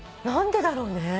何でだろうね？